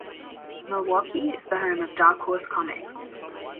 Milwaukie is the home of Dark Horse Comics.